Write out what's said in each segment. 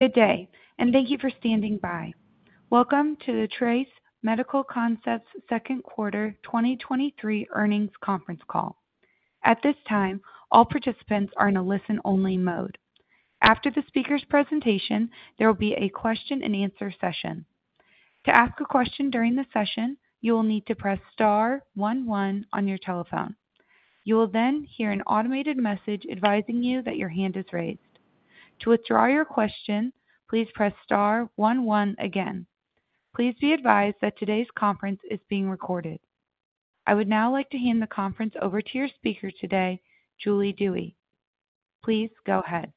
Good day. Thank you for standing by. Welcome to the Treace Medical Concepts 2nd quarter 2023 earnings conference call. At this time, all participants are in a listen-only mode. After the speaker's presentation, there will be a question-and-answer session. To ask a question during the session, you will need to press star one one on your telephone. You will then hear an automated message advising you that your hand is raised. To withdraw your question, please press star one one again. Please be advised that today's conference is being recorded. I would now like to hand the conference over to your speaker today, Julie Dewey. Please go ahead.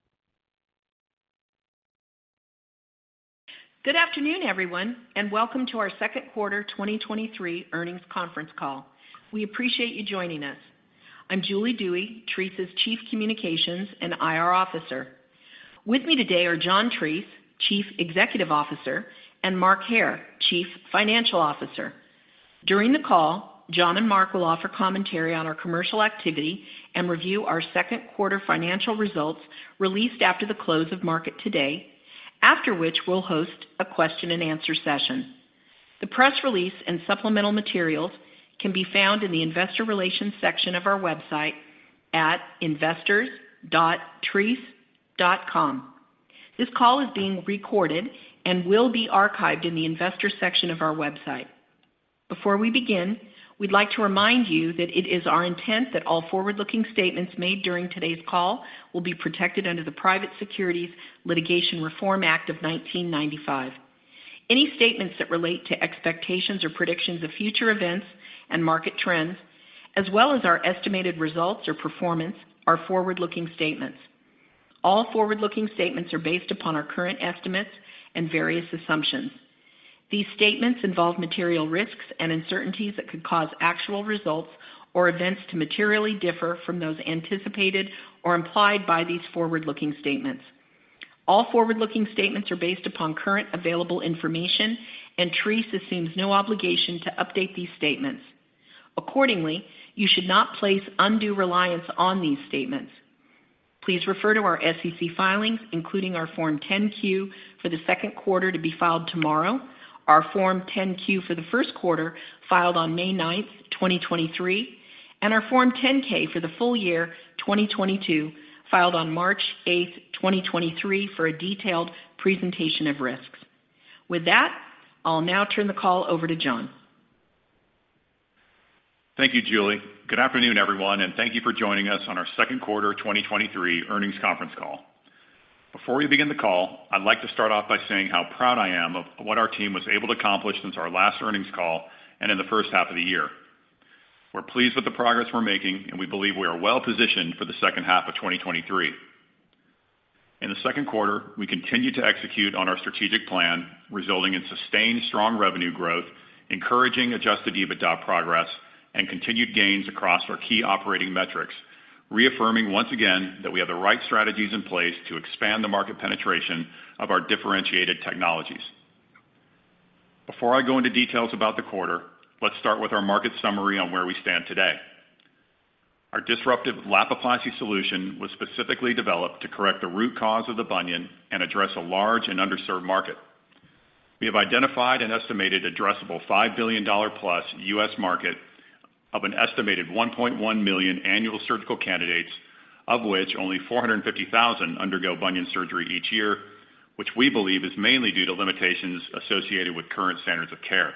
Good afternoon, everyone, and welcome to our second quarter 2023 earnings conference call. We appreciate you joining us. I'm Julie Dewey, Treace's Chief Communications and IR Officer. With me today are John Treace, Chief Executive Officer, and Mark Hair, Chief Financial Officer. During the call, John and Mark will offer commentary on our commercial activity and review our second quarter financial results released after the close of market today, after which we'll host a question-and-answer session. The press release and supplemental materials can be found in the investor relations section of our website at investors.treace.com. This call is being recorded and will be archived in the investors section of our website. Before we begin, we'd like to remind you that it is our intent that all forward-looking statements made during today's call will be protected under the Private Securities Litigation Reform Act of 1995. Any statements that relate to expectations or predictions of future events and market trends, as well as our estimated results or performance, are forward-looking statements. All forward-looking statements are based upon our current estimates and various assumptions. These statements involve material risks and uncertainties that could cause actual results or events to materially differ from those anticipated or implied by these forward-looking statements. All forward-looking statements are based upon current available information, and Treace assumes no obligation to update these statements. Accordingly, you should not place undue reliance on these statements. Please refer to our SEC filings, including our Form 10-Q for the second quarter, to be filed tomorrow, our Form 10-Q for the first quarter, filed on May 9, 2023, and our Form 10-K for the full year 2022, filed on March 8, 2023, for a detailed presentation of risks. With that, I'll now turn the call over to John. Thank you, Julie. Good afternoon, everyone. Thank you for joining us on our second quarter 2023 earnings conference call. Before we begin the call, I'd like to start off by saying how proud I am of what our team was able to accomplish since our last earnings call and in the first half of the year. We're pleased with the progress we're making. We believe we are well positioned for the second half of 2023. In the second quarter, we continued to execute on our strategic plan, resulting in sustained strong revenue growth, encouraging adjusted EBITDA progress, and continued gains across our key operating metrics, reaffirming once again that we have the right strategies in place to expand the market penetration of our differentiated technologies. Before I go into details about the quarter, let's start with our market summary on where we stand today. Our disruptive Lapiplasty solution was specifically developed to correct the root cause of the bunion and address a large and underserved market. We have identified an estimated addressable $5 billion+ US market of an estimated 1.1 million annual surgical candidates, of which only 450,000 undergo bunion surgery each year, which we believe is mainly due to limitations associated with current standards of care.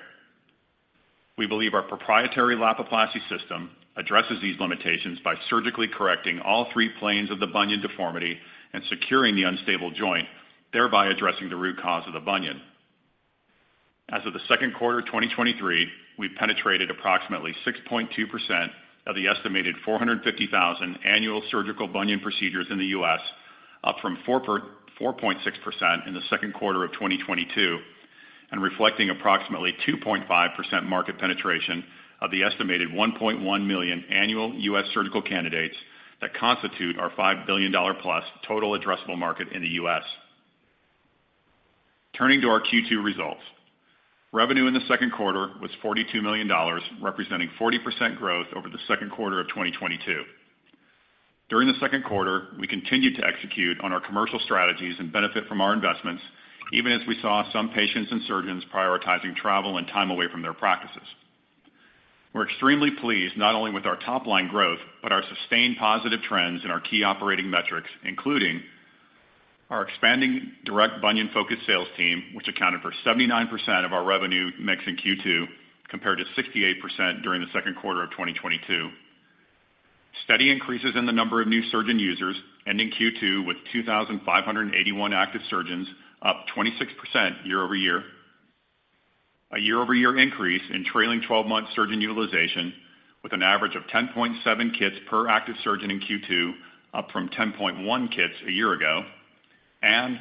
We believe our proprietary Lapiplasty system addresses these limitations by surgically correcting all three planes of the bunion deformity and securing the unstable joint, thereby addressing the root cause of the bunion. As of the second quarter of 2023, we've penetrated approximately 6.2% of the estimated 450,000 annual surgical bunion procedures in the U.S., up from 4.6% in the second quarter of 2022, and reflecting approximately 2.5% market penetration of the estimated 1.1 million annual U.S. surgical candidates that constitute our $5 billion-plus total addressable market in the U.S. Turning to our Q2 results. Revenue in the second quarter was $42 million, representing 40% growth over the second quarter of 2022. During the second quarter, we continued to execute on our commercial strategies and benefit from our investments, even as we saw some patients and surgeons prioritizing travel and time away from their practices. We're extremely pleased not only with our top-line growth, but our sustained positive trends in our key operating metrics, including our expanding direct bunion-focused sales team, which accounted for 79% of our revenue mix in Q2, compared to 68% during the second quarter of 2022. Steady increases in the number of new surgeon users, ending Q2 with 2,581 active surgeons, up 26% year-over-year. A year-over-year increase in trailing 12 months surgeon utilization, with an average of 10.7 kits per active surgeon in Q2, up from 10.1 kits a year ago, and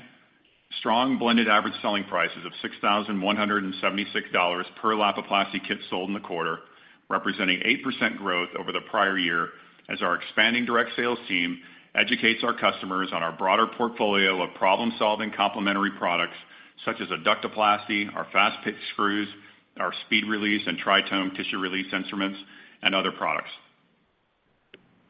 strong blended average selling prices of $6,176 per Lapiplasty kit sold in the quarter, representing 8% growth over the prior year as our expanding direct sales team educates our customers on our broader portfolio of problem-solving complementary products such as Adductoplasty, our FastPitch screws, our SpeedRelease and TriTome tissue release instruments, and other products.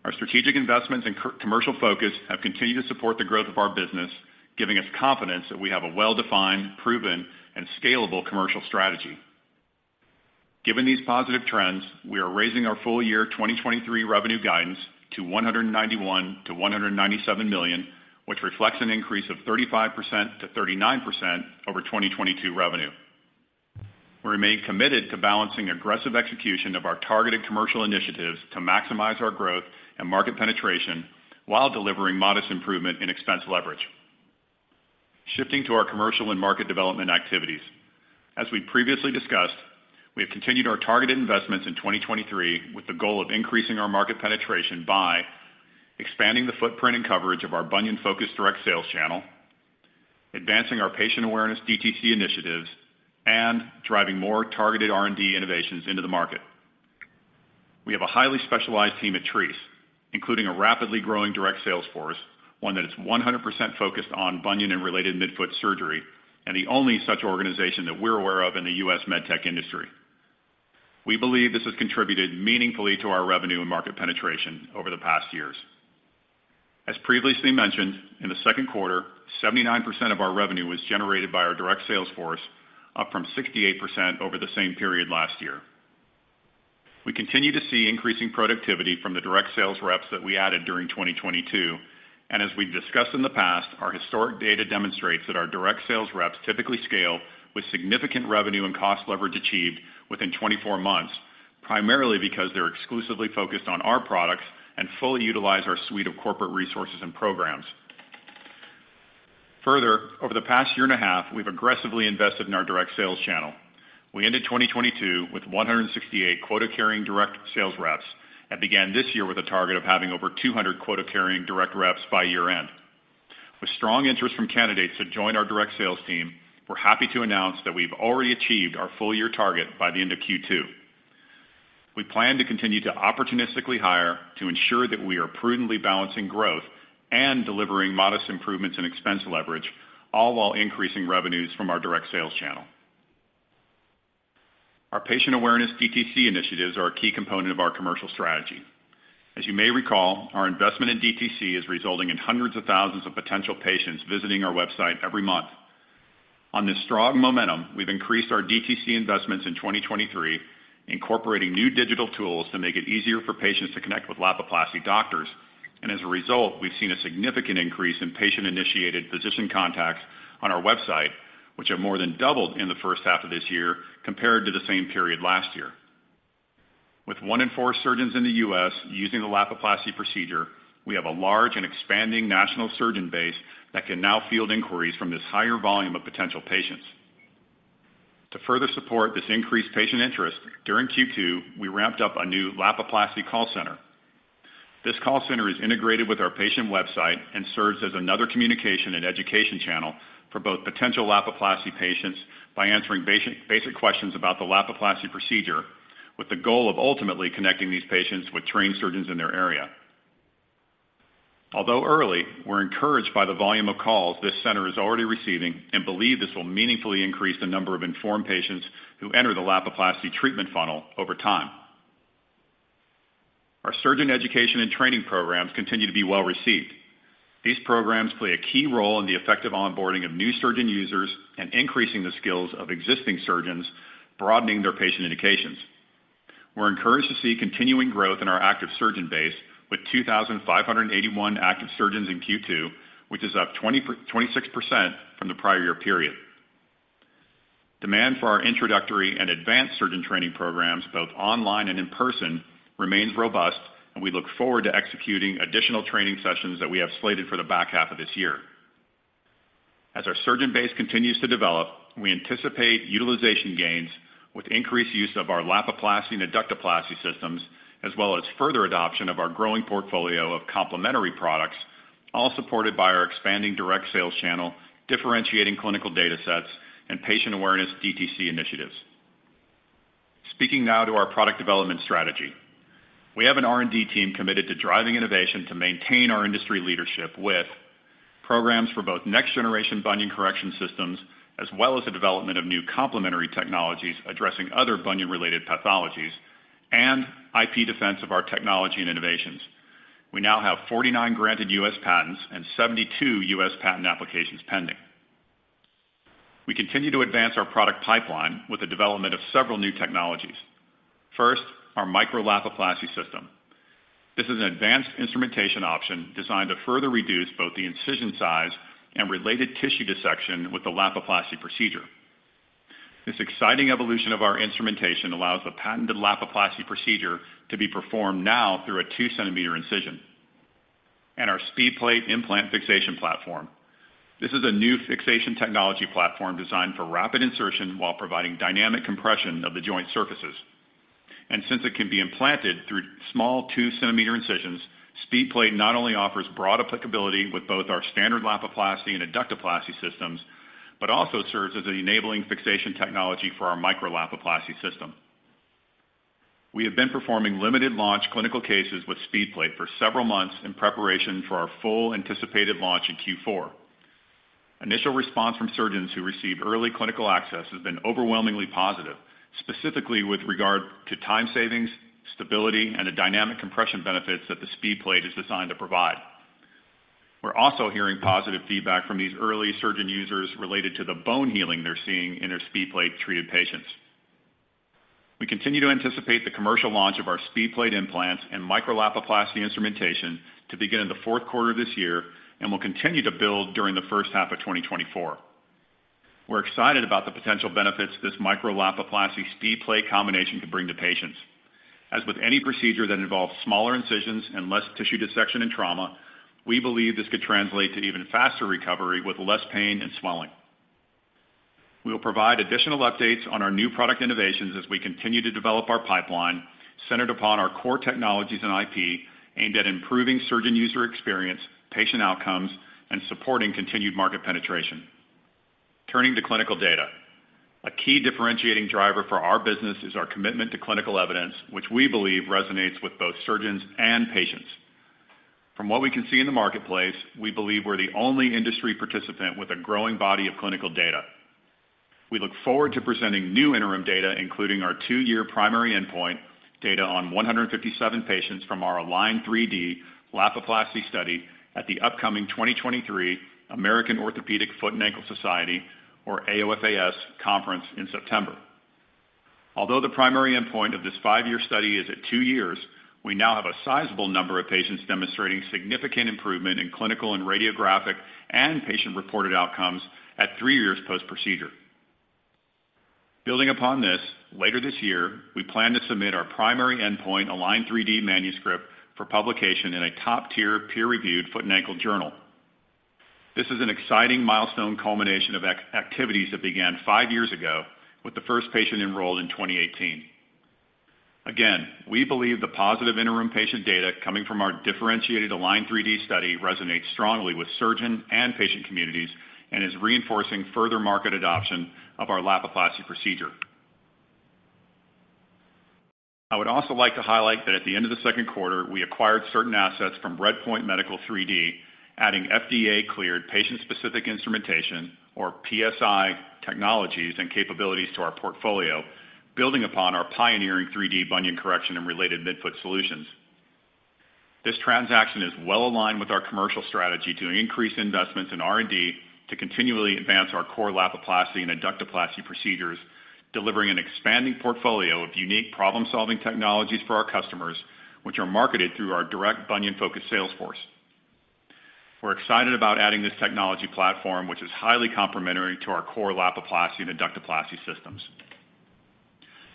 Our strategic investments and commercial focus have continued to support the growth of our business, giving us confidence that we have a well-defined, proven, and scalable commercial strategy. Given these positive trends, we are raising our full year 2023 revenue guidance to $191 million-$197 million, which reflects an increase of 35%-39% over 2022 revenue. We remain committed to balancing aggressive execution of our targeted commercial initiatives to maximize our growth and market penetration while delivering modest improvement in expense leverage. Shifting to our commercial and market development activities. As we've previously discussed, we have continued our targeted investments in 2023, with the goal of increasing our market penetration by expanding the footprint and coverage of our bunion-focused direct sales channel, advancing our patient awareness DTC initiatives, and driving more targeted R&D innovations into the market. We have a highly specialized team at Treace, including a rapidly growing direct sales force, one that is 100% focused on bunion and related midfoot surgery, and the only such organization that we're aware of in the U.S. med tech industry. We believe this has contributed meaningfully to our revenue and market penetration over the past years. As previously mentioned, in the second quarter, 79% of our revenue was generated by our direct sales force, up from 68% over the same period last year. We continue to see increasing productivity from the direct sales reps that we added during 2022. As we've discussed in the past, our historic data demonstrates that our direct sales reps typically scale with significant revenue and cost leverage achieved within 24 months, primarily because they're exclusively focused on our products and fully utilize our suite of corporate resources and programs. Further, over the past year and a half, we've aggressively invested in our direct sales channel. We ended 2022 with 168 quota-carrying direct sales reps and began this year with a target of having over 200 quota-carrying direct reps by year-end. With strong interest from candidates to join our direct sales team, we're happy to announce that we've already achieved our full-year target by the end of Q2. We plan to continue to opportunistically hire to ensure that we are prudently balancing growth and delivering modest improvements in expense leverage, all while increasing revenues from our direct sales channel. Our patient awareness DTC initiatives are a key component of our commercial strategy. As you may recall, our investment in DTC is resulting in hundreds of thousands of potential patients visiting our website every month. On this strong momentum, we've increased our DTC investments in 2023, incorporating new digital tools to make it easier for patients to connect with Lapiplasty® doctors, and as a result, we've seen a significant increase in patient-initiated physician contacts on our website, which have more than doubled in the first half of this year compared to the same period last year. With one in four surgeons in the U.S. using the Lapiplasty procedure, we have a large and expanding national surgeon base that can now field inquiries from this higher volume of potential patients. To further support this increased patient interest, during Q2, we ramped up a new Lapiplasty call center. This call center is integrated with our patient website and serves as another communication and education channel for both potential Lapiplasty patients by answering basic questions about the Lapiplasty procedure, with the goal of ultimately connecting these patients with trained surgeons in their area. Although early, we're encouraged by the volume of calls this center is already receiving and believe this will meaningfully increase the number of informed patients who enter the Lapiplasty treatment funnel over time. Our surgeon education and training programs continue to be well received. These programs play a key role in the effective onboarding of new surgeon users and increasing the skills of existing surgeons, broadening their patient indications. We're encouraged to see continuing growth in our active surgeon base, with 2,581 active surgeons in Q2, which is up 26% from the prior year period. Demand for our introductory and advanced surgeon training programs, both online and in person, remains robust. We look forward to executing additional training sessions that we have slated for the back half of this year. As our surgeon base continues to develop, we anticipate utilization gains with increased use of our Lapiplasty and Adductoplasty systems, as well as further adoption of our growing portfolio of complementary products, all supported by our expanding direct sales channel, differentiating clinical data sets, and patient awareness DTC initiatives. Speaking now to our product development strategy. We have an R&D team committed to driving innovation to maintain our industry leadership with programs for both next-generation bunion correction systems, as well as the development of new complementary technologies addressing other bunion-related pathologies and IP defense of our technology and innovations. We now have 49 granted U.S. patents and 72 U.S. patent applications pending. We continue to advance our product pipeline with the development of several new technologies. First, our Micro-Lapiplasty System. This is an advanced instrumentation option designed to further reduce both the incision size and related tissue dissection with the Lapiplasty procedure. This exciting evolution of our instrumentation allows the patented Lapiplasty procedure to be performed now through a 2-centimeter incision. Our SpeedPlate Implant Fixation Platform. This is a new fixation technology platform designed for rapid insertion while providing dynamic compression of the joint surfaces. Since it can be implanted through small 2-centimeter incisions, SpeedPlate not only offers broad applicability with both our standard Lapiplasty and Adductoplasty systems, but also serves as an enabling fixation technology for our Micro-Lapiplasty System. We have been performing limited launch clinical cases with SpeedPlate for several months in preparation for our full anticipated launch in Q4. Initial response from surgeons who received early clinical access has been overwhelmingly positive, specifically with regard to time savings, stability, and the dynamic compression benefits that the SpeedPlate is designed to provide. We're also hearing positive feedback from these early surgeon users related to the bone healing they're seeing in their SpeedPlate-treated patients. We continue to anticipate the commercial launch of our SpeedPlate implants and Micro-Lapiplasty instrumentation to begin in the fourth quarter of this year, and will continue to build during the first half of 2024. We're excited about the potential benefits this Micro-Lapiplasty SpeedPlate combination could bring to patients. As with any procedure that involves smaller incisions and less tissue dissection and trauma, we believe this could translate to even faster recovery with less pain and swelling. We will provide additional updates on our new product innovations as we continue to develop our pipeline, centered upon our core technologies and IP, aimed at improving surgeon user experience, patient outcomes, and supporting continued market penetration. Turning to clinical data. A key differentiating driver for our business is our commitment to clinical evidence, which we believe resonates with both surgeons and patients. From what we can see in the marketplace, we believe we're the only industry participant with a growing body of clinical data. We look forward to presenting new interim data, including our 2-year primary endpoint data on 157 patients from our ALIGN3D Lapiplasty study at the upcoming 2023 American Orthopaedic Foot and Ankle Society, or AOFAS, conference in September. Although the primary endpoint of this 5-year study is at 2 years, we now have a sizable number of patients demonstrating significant improvement in clinical and radiographic and patient-reported outcomes at 3 years post-procedure. Building upon this, later this year, we plan to submit our primary endpoint ALIGN3D manuscript for publication in a top-tier, peer-reviewed foot and ankle journal. This is an exciting milestone culmination of activities that began 5 years ago with the first patient enrolled in 2018. Again, we believe the positive interim patient data coming from our differentiated ALIGN3D study resonates strongly with surgeon and patient communities, and is reinforcing further market adoption of our Lapiplasty procedure. I would also like to highlight that at the end of the second quarter, we acquired certain assets from RedPoint Medical 3D, adding FDA-cleared patient-specific instrumentation, or PSI, technologies and capabilities to our portfolio, building upon our pioneering 3D bunion correction and related midfoot solutions. This transaction is well aligned with our commercial strategy to increase investments in R&D, to continually advance our core Lapiplasty and Adductoplasty procedures, delivering an expanding portfolio of unique problem-solving technologies for our customers, which are marketed through our direct bunion-focused sales force. We're excited about adding this technology platform, which is highly complementary to our core Lapiplasty and Adductoplasty systems.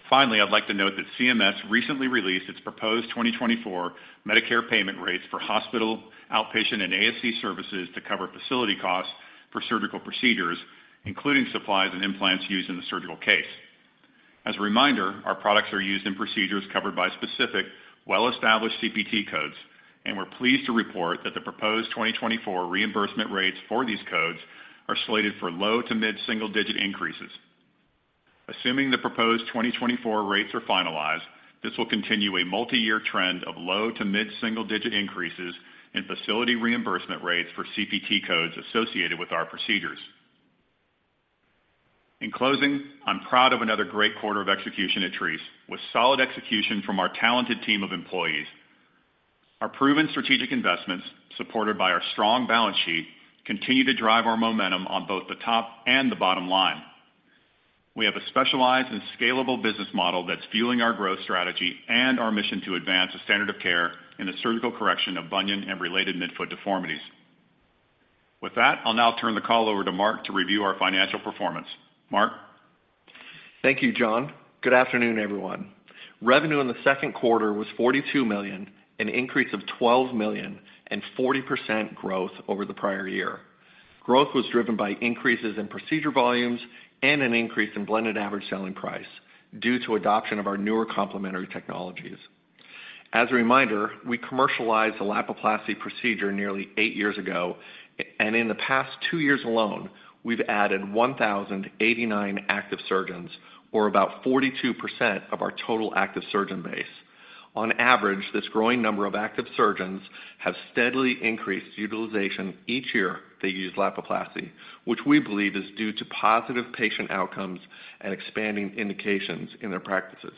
Finally, I'd like to note that CMS recently released its proposed 2024 Medicare payment rates for hospital, outpatient, and ASC services to cover facility costs for surgical procedures, including supplies and implants used in the surgical case. As a reminder, our products are used in procedures covered by specific, well-established CPT codes, and we're pleased to report that the proposed 2024 reimbursement rates for these codes are slated for low to mid-single-digit increases. Assuming the proposed 2024 rates are finalized, this will continue a multi-year trend of low to mid-single-digit increases in facility reimbursement rates for CPT codes associated with our procedures. In closing, I'm proud of another great quarter of execution at Treace, with solid execution from our talented team of employees. Our proven strategic investments, supported by our strong balance sheet, continue to drive our momentum on both the top and the bottom line. We have a specialized and scalable business model that's fueling our growth strategy and our mission to advance the standard of care in the surgical correction of bunion and related midfoot deformities. With that, I'll now turn the call over to Mark to review our financial performance. Mark? Thank you, John. Good afternoon, everyone. Revenue in the second quarter was $42 million, an increase of $12 million and 40% growth over the prior year. Growth was driven by increases in procedure volumes and an increase in blended average selling price due to adoption of our newer complementary technologies. As a reminder, we commercialized the Lapiplasty procedure nearly eight years ago, and in the past two years alone, we've added 1,089 active surgeons, or about 42% of our total active surgeon base. On average, this growing number of active surgeons have steadily increased utilization each year they use Lapiplasty, which we believe is due to positive patient outcomes and expanding indications in their practices.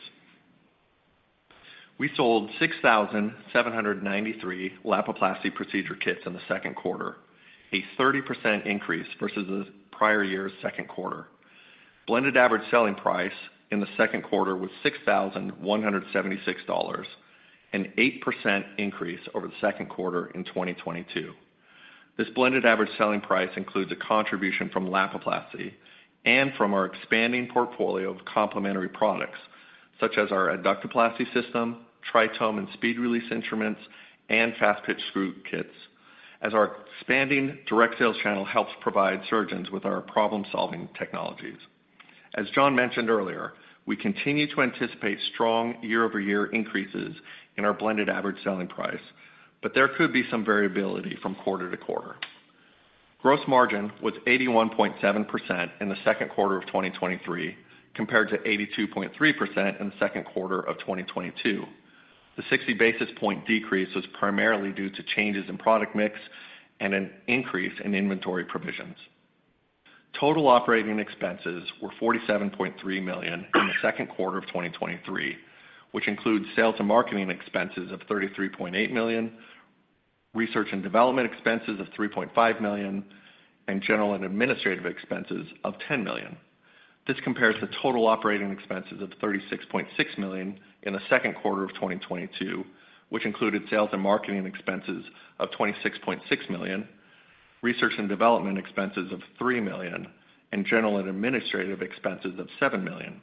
We sold 6,793 Lapiplasty procedure kits in the second quarter, a 30% increase versus the prior year's second quarter. Blended average selling price in the second quarter was $6,176, an 8% increase over the second quarter in 2022. This blended average selling price includes a contribution from Lapiplasty and from our expanding portfolio of complementary products, such as our Adductoplasty system, TriTome and SpeedRelease instruments, and FastPitch screw kits, as our expanding direct sales channel helps provide surgeons with our problem-solving technologies. As John mentioned earlier, we continue to anticipate strong year-over-year increases in our blended average selling price, but there could be some variability from quarter to quarter. Gross margin was 81.7% in the second quarter of 2023, compared to 82.3% in the second quarter of 2022. The 60 basis point decrease was primarily due to changes in product mix and an increase in inventory provisions. Total operating expenses were $47.3 million in the second quarter of 2023, which includes sales and marketing expenses of $33.8 million, research and development expenses of $3.5 million, and general and administrative expenses of $10 million. This compares to total operating expenses of $36.6 million in the second quarter of 2022, which included sales and marketing expenses of $26.6 million, research and development expenses of $3 million, and general and administrative expenses of $7 million.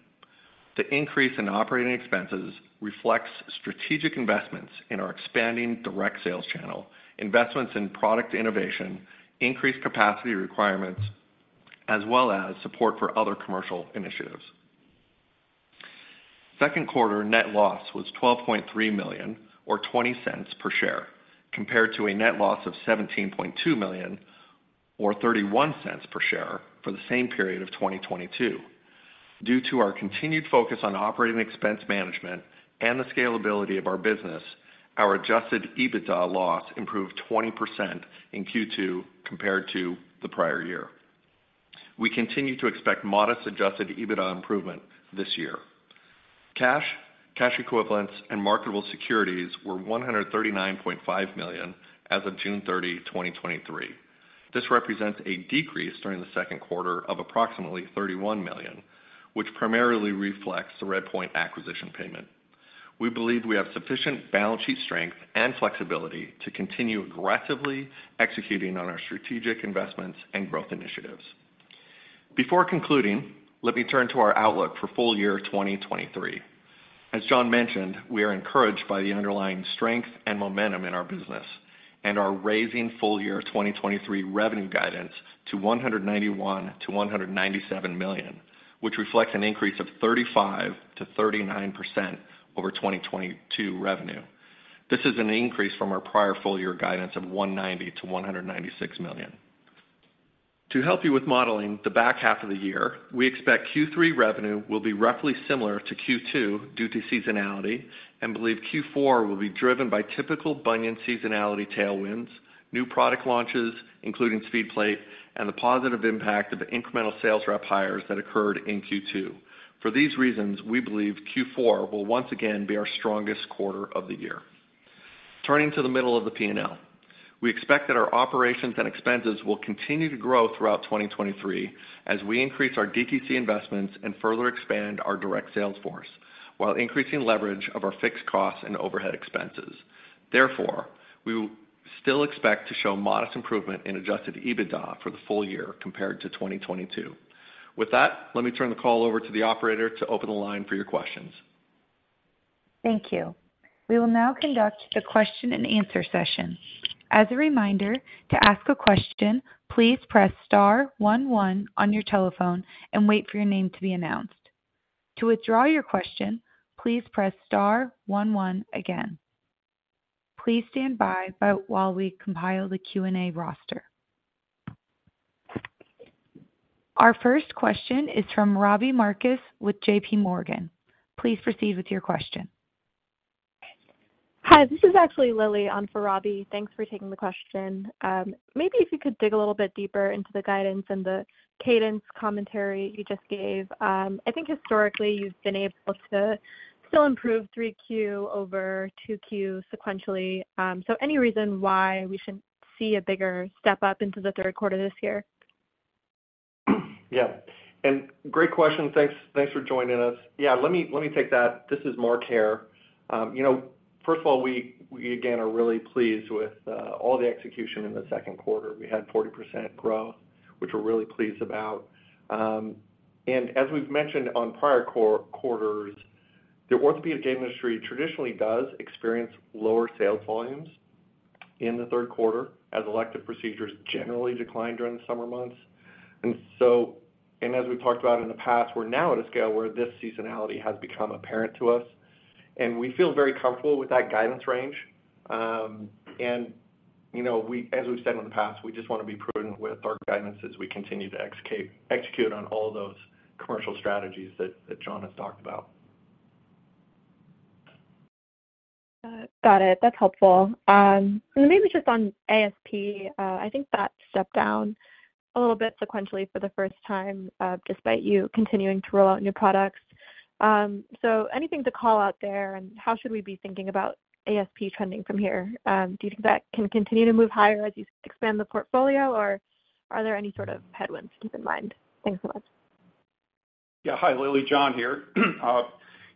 The increase in operating expenses reflects strategic investments in our expanding direct sales channel, investments in product innovation, increased capacity requirements, as well as support for other commercial initiatives. Second quarter net loss was $12.3 million or $0.20 per share, compared to a net loss of $17.2 million or $0.31 per share for the same period of 2022. Due to our continued focus on operating expense management and the scalability of our business, our adjusted EBITDA loss improved 20% in Q2 compared to the prior year. We continue to expect modest adjusted EBITDA improvement this year. Cash, cash equivalents, and marketable securities were $139.5 million as of June 30, 2023. This represents a decrease during the second quarter of approximately $31 million, which primarily reflects the RedPoint acquisition payment. We believe we have sufficient balance sheet strength and flexibility to continue aggressively executing on our strategic investments and growth initiatives. Before concluding, let me turn to our outlook for full year 2023. As John mentioned, we are encouraged by the underlying strength and momentum in our business and are raising full year 2023 revenue guidance to $191 million-$197 million, which reflects an increase of 35%-39% over 2022 revenue. This is an increase from our prior full year guidance of $190 million-$196 million. To help you with modeling the back half of the year, we expect Q3 revenue will be roughly similar to Q2 due to seasonality and believe Q4 will be driven by typical bunion seasonality tailwinds, new product launches, including SpeedPlate, and the positive impact of the incremental sales rep hires that occurred in Q2. For these reasons, we believe Q4 will once again be our strongest quarter of the year. Turning to the middle of the P&L, we expect that our operations and expenses will continue to grow throughout 2023 as we increase our DTC investments and further expand our direct sales force, while increasing leverage of our fixed costs and overhead expenses. Therefore, we will still expect to show modest improvement in adjusted EBITDA for the full year compared to 2022. With that, let me turn the call over to the operator to open the line for your questions. Thank you. We will now conduct the question and answer session. As a reminder, to ask a question, please press star one one on your telephone and wait for your name to be announced. To withdraw your question, please press star one one again. Please stand by while we compile the Q&A roster. Our first question is from Robbie Marcus with J.P. Morgan. Please proceed with your question. Hi, this is actually Lilly on for Robbie. Thanks for taking the question. Maybe if you could dig a little bit deeper into the guidance and the cadence commentary you just gave. I think historically you've been able to still improve 3Q over 2Q sequentially. Any reason why we shouldn't see a bigger step up into the third quarter this year? Yeah, great question. Thanks, thanks for joining us. Yeah, let me, let me take that. This is Mark Hair. you know, first of all, we, we again, are really pleased with all the execution in the second quarter. We had 40% growth, which we're really pleased about. As we've mentioned on prior quarters, the orthopedic industry traditionally does experience lower sales volumes in the third quarter, as elective procedures generally decline during the summer months. As we talked about in the past, we're now at a scale where this seasonality has become apparent to us, and we feel very comfortable with that guidance range. you know, we as we've said in the past, we just want to be prudent with our guidance as we continue to execute on all those commercial strategies that, that John has talked about. Got it. That's helpful. Maybe just on ASP, I think that stepped down a little bit sequentially for the first time, despite you continuing to roll out new products. Anything to call out there, and how should we be thinking about ASP trending from here? Do you think that can continue to move higher as you expand the portfolio, or are there any sort of headwinds to keep in mind? Thanks so much. Yeah. Hi, Lily, John here.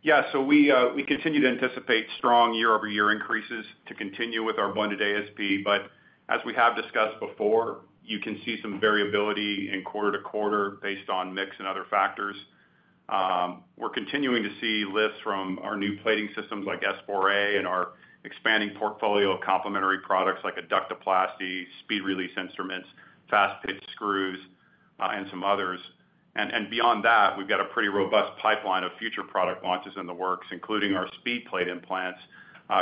We continue to anticipate strong year-over-year increases to continue with our blended ASP. As we have discussed before, you can see some variability in quarter-to-quarter based on mix and other factors. We're continuing to see lifts from our new plating systems like S4A and our expanding portfolio of complementary products like Adductoplasty, SpeedRelease instruments, FastPitch screws, and some others. Beyond that, we've got a pretty robust pipeline of future product launches in the works, including our SpeedPlate implants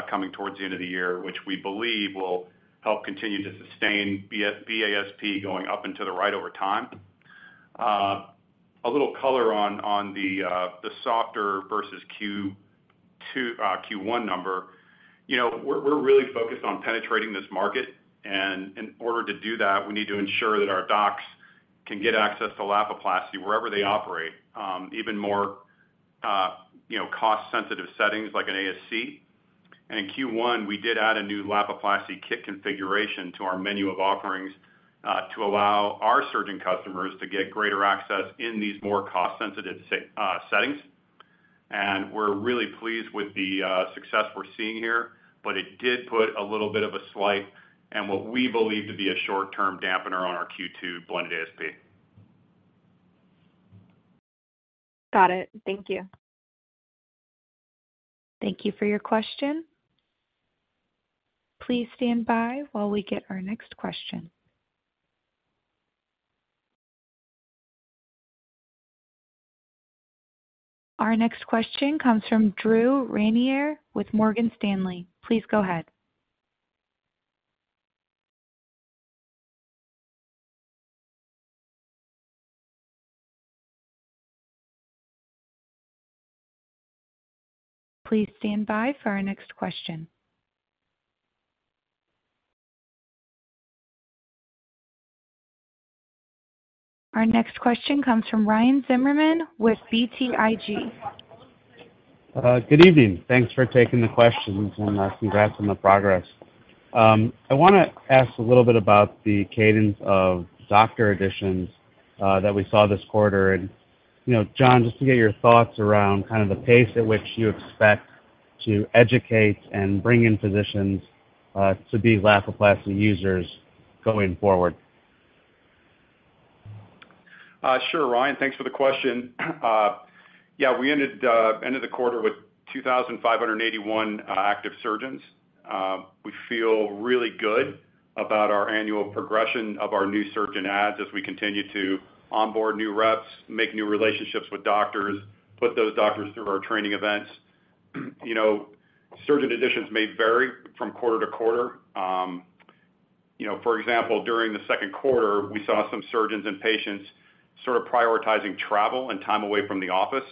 coming towards the end of the year, which we believe will help continue to sustain VASP, going up into the right over time.... a little color on the softer versus Q2, Q1 number. You know, we're, we're really focused on penetrating this market, and in order to do that, we need to ensure that our docs can get access to Lapiplasty wherever they operate, even more, you know, cost sensitive settings like an ASC. In Q1, we did add a new Lapiplasty kit configuration to our menu of offerings, to allow our surgeon customers to get greater access in these more cost-sensitive set-- settings. We're really pleased with the success we're seeing here, but it did put a little bit of a swipe and what we believe to be a short-term dampener on our Q2 blended ASP. Got it. Thank you. Thank you for your question. Please stand by while we get our next question. Our next question comes from Drew Ranieri with Morgan Stanley. Please go ahead. Please stand by for our next question. Our next question comes from Ryan Zimmerman with BTIG. Good evening. Thanks for taking the questions and congrats on the progress. I want to ask a little bit about the cadence of doctor additions that we saw this quarter. You know, John, just to get your thoughts around kind of the pace at which you expect to educate and bring in physicians to be Lapiplasty users going forward? Sure, Ryan. Thanks for the question. Yeah, we ended, ended the quarter with 2,581 active surgeons. We feel really good about our annual progression of our new surgeon adds as we continue to onboard new reps, make new relationships with doctors, put those doctors through our training events. You know, surgeon additions may vary from quarter to quarter. You know, for example, during the second quarter, we saw some surgeons and patients sort of prioritizing travel and time away from the office.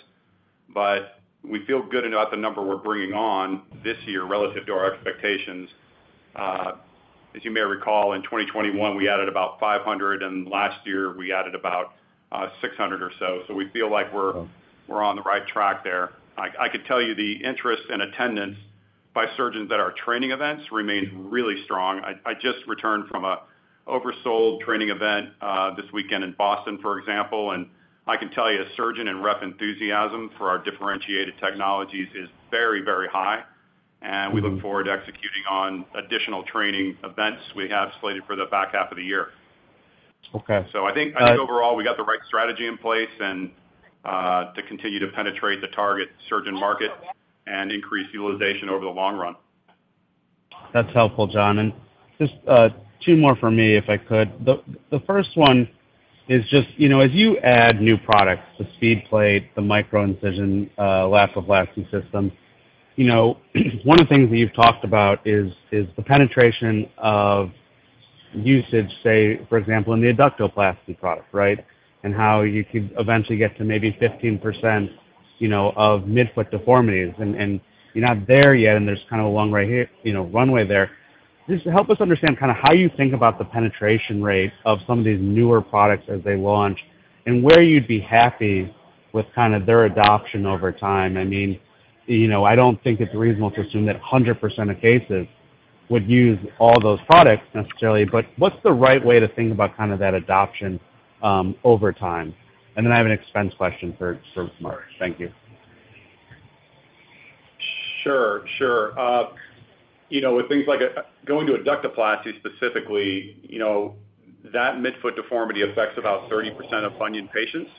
We feel good about the number we're bringing on this year relative to our expectations. As you may recall, in 2021, we added about 500, and last year we added about 600 or so. We feel like we're, we're on the right track there. I could tell you the interest and attendance by surgeons at our training events remains really strong. I just returned from an oversold training event this weekend in Boston, for example. I can tell you surgeon and rep enthusiasm for our differentiated technologies is very, very high. We look forward to executing on additional training events we have slated for the back half of the year. Okay. I think, I think overall, we got the right strategy in place and to continue to penetrate the target surgeon market and increase utilization over the long run. That's helpful, John. Just 2 more for me, if I could. The first one is just, you know, as you add new products, the SpeedPlate, the microincision Lapiplasty system, you know, one of the things that you've talked about is, is the penetration of usage, say, for example, in the Adductoplasty product, right? How you could eventually get to maybe 15%, you know, of midfoot deformities, and, and you're not there yet, and there's kind of a long right here, you know, runway there. Just help us understand kind of how you think about the penetration rate of some of these newer products as they launch and where you'd be happy with kind of their adoption over time. I mean, you know, I don't think it's reasonable to assume that 100% of cases would use all those products necessarily, but what's the right way to think about kind of that adoption, over time? Then I have an expense question for, for Mark. Thank you. Sure, sure. You know, with things like going to Adductoplasty specifically, you know, that midfoot deformity affects about 30% of bunion patients.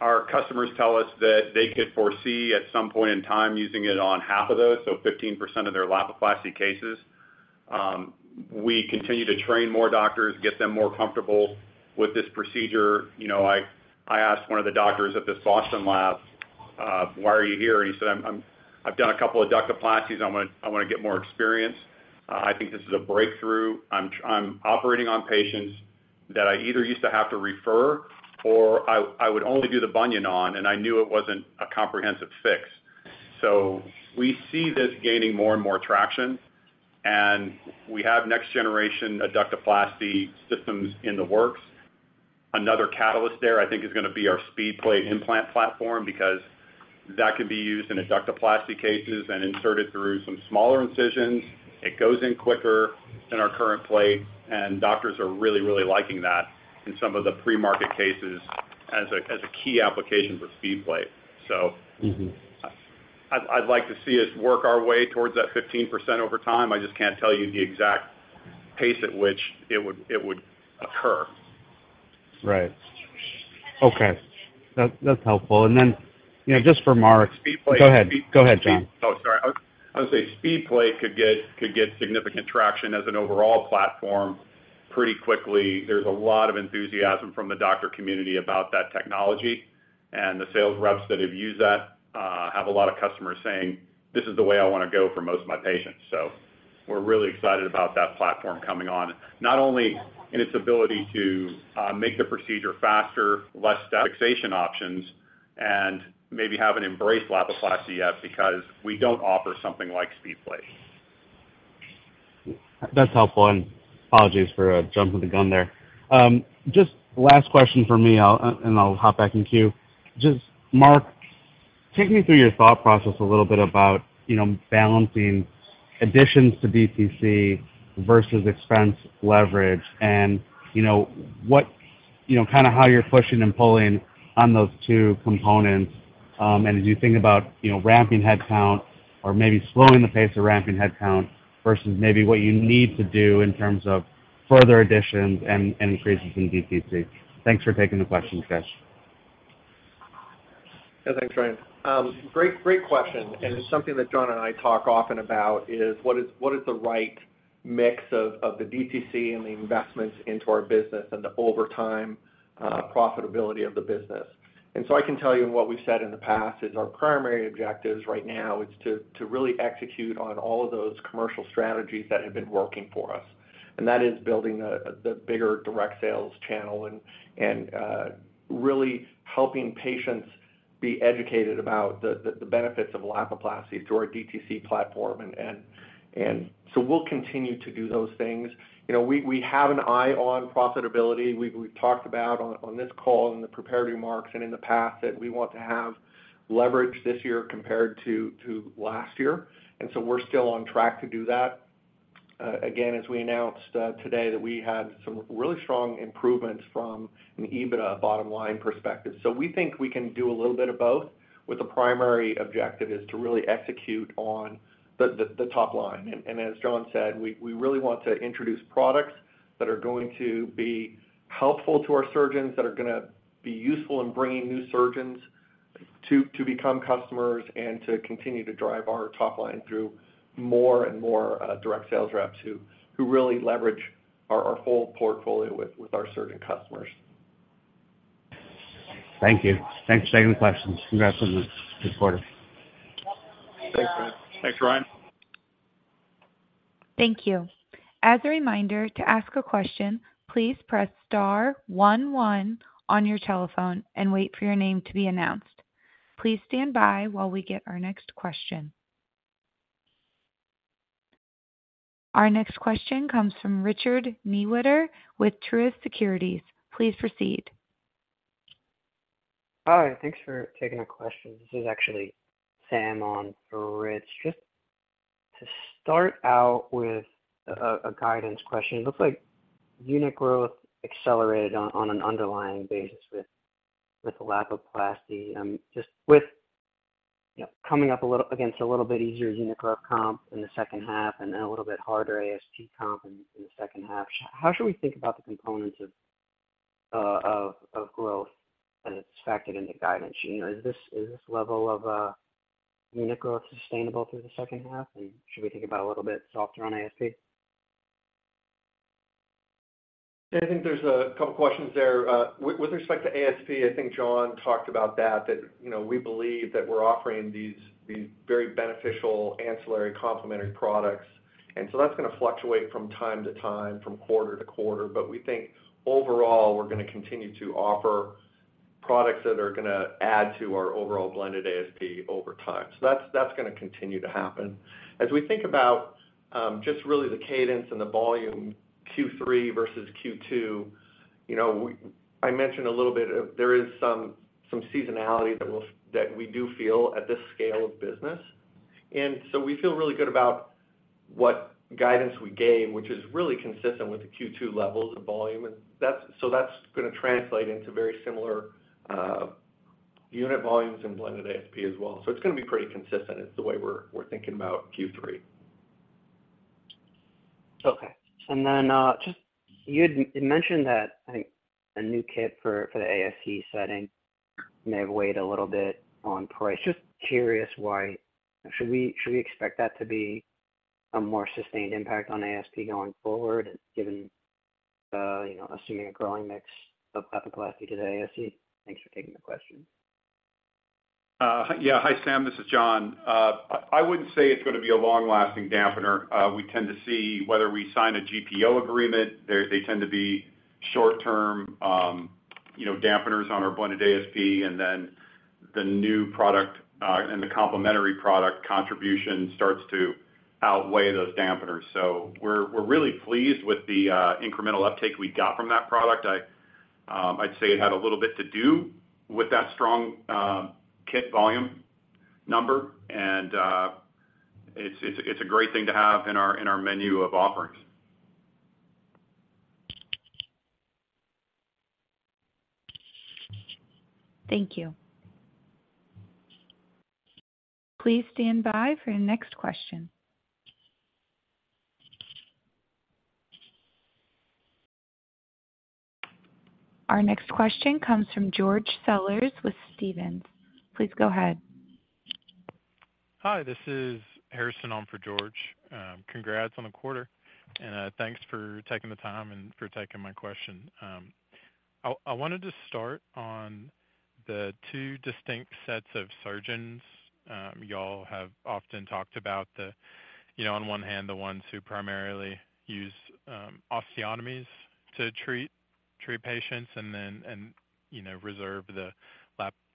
Our customers tell us that they could foresee at some point in time using it on half of those, so 15% of their Lapiplasty cases. We continue to train more doctors, get them more comfortable with this procedure. You know, I, I asked one of the doctors at this Boston lab, "Why are you here?" He said, "I'm, I've done a couple Adductoplasties. I want, I want to get more experience. I think this is a breakthrough. I'm operating on patients that I either used to have to refer or I, I would only do the bunion on, and I knew it wasn't a comprehensive fix. We see this gaining more and more traction, and we have next generation Adductoplasty systems in the works. Another catalyst there, I think, is going to be our SpeedPlate implant platform, because that can be used in Adductoplasty cases and inserted through some smaller incisions. It goes in quicker than our current plate, and doctors are really, really liking that in some of the pre-market cases as a, as a key application for SpeedPlate. Mm-hmm. I'd like to see us work our way towards that 15% over time. I just can't tell you the exact pace at which it would, it would occur. Right. Okay. That, that's helpful. Then, you know, just for Mark- Speedplate- Go ahead. Go ahead, John. Oh, sorry. I would say SpeedPlate could get, could get significant traction as an overall platform pretty quickly. There's a lot of enthusiasm from the doctor community about that technology, and the sales reps that have used that have a lot of customers saying, "This is the way I want to go for most of my patients." So... We're really excited about that platform coming on, not only in its ability to make the procedure faster, less fixation options, and maybe haven't embraced Lapiplasty yet because we don't offer something like SpeedPlate. That's helpful, and apologies for jumping the gun there. Just last question from me, I'll, and I'll hop back in queue. Just, Mark, take me through your thought process a little bit about, you know, balancing additions to DTC versus expense leverage and, you know, what, you know, kind of how you're pushing and pulling on those two components. As you think about, you know, ramping headcount or maybe slowing the pace of ramping headcount versus maybe what you need to do in terms of further additions and, and increases in DTC. Thanks for taking the questions, guys. Yeah, thanks, Ryan. Great, great question, and it's something that John and I talk often about, is what is, what is the right mix of, of the DTC and the investments into our business and the over time, profitability of the business. I can tell you, and what we've said in the past, is our primary objectives right now is to, to really execute on all of those commercial strategies that have been working for us. That is building a, the bigger direct sales channel and, and, really helping patients be educated about the, the, benefits of Lapiplasty through our DTC platform. We'll continue to do those things. You know, we, we have an eye on profitability. We've, we've talked about on, on this call in the prepared remarks and in the past, that we want to have leverage this year compared to, to last year, and so we're still on track to do that. Again, as we announced today, that we had some really strong improvements from an EBITDA bottom line perspective. We think we can do a little bit of both, with the primary objective is to really execute on the, the, the top line. As John said, we, we really want to introduce products that are going to be helpful to our surgeons, that are going to be useful in bringing new surgeons to, to become customers, and to continue to drive our top line through more and more direct sales reps, who, who really leverage our, our whole portfolio with, with our surgeon customers. Thank you. Thanks for taking the questions. Congrats on the good quarter. Thanks, Ryan. Thank you. As a reminder, to ask a question, please press star one, one on your telephone and wait for your name to be announced. Please stand by while we get our next question. Our next question comes from Richard Newitter with Truist Securities. Please proceed. Hi, thanks for taking the question. This is actually Sam on for Rich. Just to start out with a guidance question, it looks like unit growth accelerated on an underlying basis with the Lapiplasty. Just with, you know, coming up a little, against a little bit easier unit growth comp in the second half and then a little bit harder ASP comp in the second half, how should we think about the components of growth as it's factored into guidance? You know, is this level of unit growth sustainable through the second half, and should we think about a little bit softer on ASP? I think there's a couple questions there. With, with respect to ASP, I think John talked about that, that, you know, we believe that we're offering these, these very beneficial ancillary complementary products, and so that's going to fluctuate from time to time, from quarter to quarter. We think overall, we're going to continue to offer products that are going to add to our overall blended ASP over time. That's, that's going to continue to happen. As we think about, just really the cadence and the volume, Q3 versus Q2, you know, I mentioned a little bit, there is some, some seasonality that we'll, that we do feel at this scale of business. We feel really good about what guidance we gave, which is really consistent with the Q2 levels of volume. That's, so that's going to translate into very similar, unit volumes and blended ASP as well. It's going to be pretty consistent. It's the way we're, we're thinking about Q3. Okay. Just you'd mentioned that, I think, a new kit for, for the ASC setting may have weighed a little bit on price. Just curious why? Should we, should we expect that to be a more sustained impact on ASP going forward, given, you know, assuming a growing mix of Lapiplasty to the ASC? Thanks for taking the question. Yeah. Hi, Sam, this is John. I, I wouldn't say it's going to be a long-lasting dampener. We tend to see whether we sign a GPO agreement. They tend to be short-term, you know, dampeners on our blended ASP, and then the new product, and the complementary product contribution starts to outweigh those dampeners. We're, we're really pleased with the incremental uptake we got from that product. I'd say it had a little bit to do with that strong kit volume number, and it's, it's a great thing to have in our, in our menu of offerings. Thank you. Please stand by for your next question. Our next question comes from George Sellers with Stephens. Please go ahead. Hi, this is Harrison on for George. Congrats on the quarter, and thanks for taking the time and for taking my question. I wanted to start on the two distinct sets of surgeons. Y'all have often talked about the, you know, on one hand, the ones who primarily use osteotomies to treat patients and then, you know, reserve the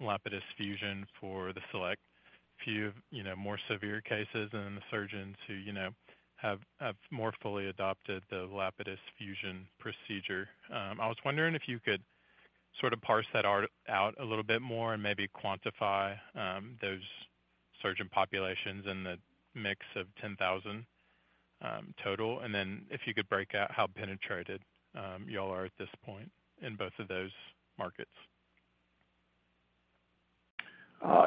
Lapidus fusion for the select few, you know, more severe cases, and then the surgeons who, you know, more fully adopted the Lapidus fusion procedure. I was wondering if you could sort of parse that out a little bit more and maybe quantify those surgeon populations and the mix of 10,000 total. If you could break out how penetrated y'all are at this point in both of those markets.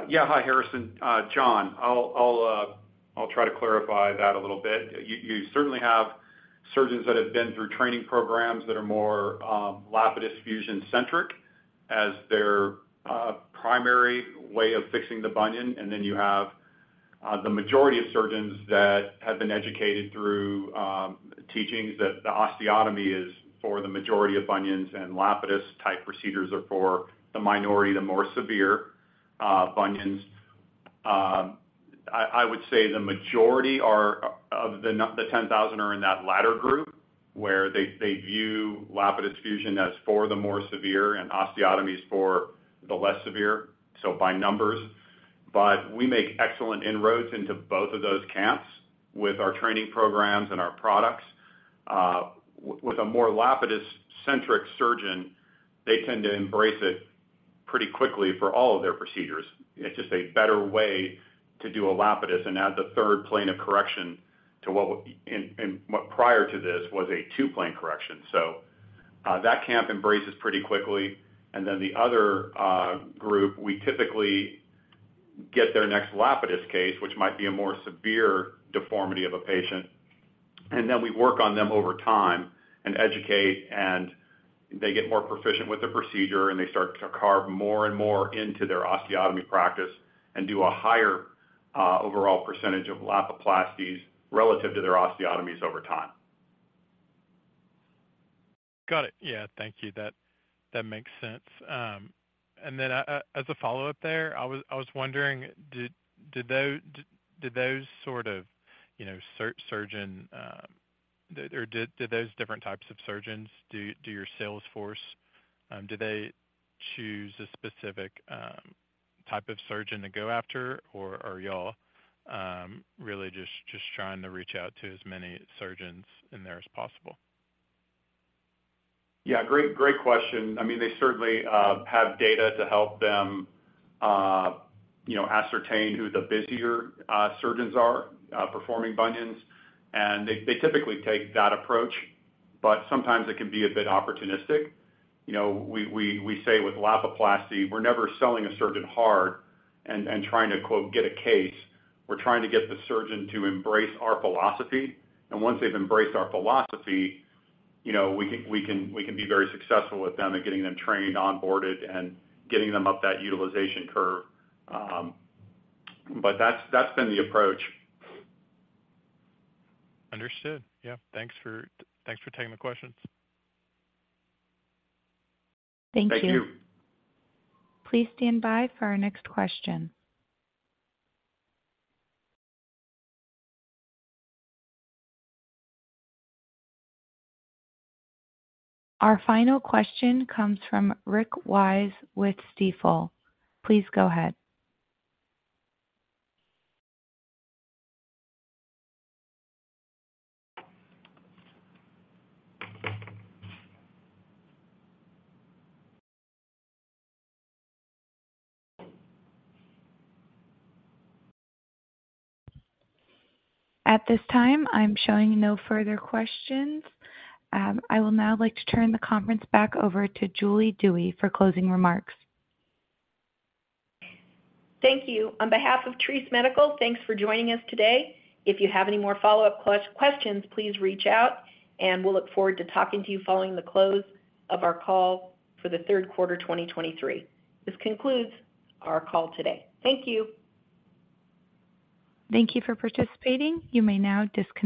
Yeah. Hi, Harrison. John, I'll try to clarify that a little bit. You certainly have surgeons that have been through training programs that are more, Lapidus fusion centric, as their primary way of fixing the bunion. Then you have, the majority of surgeons that have been educated through, teachings that the osteotomy is for the majority of bunions and Lapidus type procedures are for the minority, the more severe, bunions. I, I would say the majority are of the n- the 10,000 are in that latter group, where they, they view Lapidus fusion as for the more severe and osteotomy is for the less severe, so by numbers. We make excellent inroads into both of those camps with our training programs and our products. With a more Lapidus-centric surgeon, they tend to embrace it pretty quickly for all of their procedures. It's just a better way to do a Lapidus and add the third plane of correction to what and what prior to this was a 2-plane correction. That camp embraces pretty quickly. Then the other group, we typically get their next Lapidus case, which might be a more severe deformity of a patient, and then we work on them over time and educate, and they get more proficient with the procedure, and they start to carve more and more into their osteotomy practice and do a higher overall % of Lapiplasties relative to their osteotomies over time. Got it. Yeah, thank you. That makes sense. As a follow-up there, I was, I was wondering, did those sort of, you know, surgeon, or did those different types of surgeons do your sales force, do they choose a specific type of surgeon to go after? Or are y'all really just, just trying to reach out to as many surgeons in there as possible? Yeah, great, great question. I mean, they certainly have data to help them, you know, ascertain who the busier surgeons are performing bunions, and they typically take that approach, but sometimes it can be a bit opportunistic. You know, we say with Lapiplasty, we're never selling a surgeon hard and, and trying to quote, "Get a case." We're trying to get the surgeon to embrace our philosophy, and once they've embraced our philosophy, you know, we can, we can be very successful with them and getting them trained, onboarded, and getting them up that utilization curve. That's, that's been the approach. Understood. Yeah, thanks for, thanks for taking the questions. Thank you. Thank you. Please stand by for our next question. Our final question comes from Rick Wise with Stifel. Please go ahead. At this time, I'm showing no further questions. I will now like to turn the conference back over to Julie Dewey for closing remarks. Thank you. On behalf of Treace Medical, thanks for joining us today. If you have any more follow-up questions, please reach out, and we'll look forward to talking to you following the close of our call for the third quarter, 2023. This concludes our call today. Thank you. Thank you for participating. You may now disconnect.